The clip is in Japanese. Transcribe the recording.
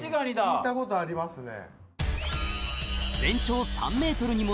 聞いたことありますね。